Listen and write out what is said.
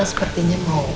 kita sepertinya mau